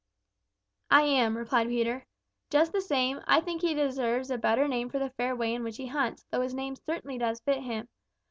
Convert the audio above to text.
"I am," replied Peter. "Just the same, I think he deserves a better name for the fair way in which he hunts, though his name certainly does fit him.